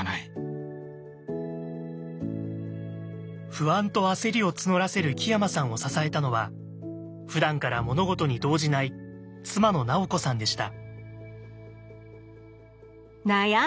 不安と焦りを募らせる木山さんを支えたのはふだんから物事に動じない妻の直子さんでした。